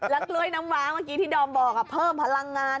กล้วยน้ำว้าเมื่อกี้ที่ดอมบอกเพิ่มพลังงาน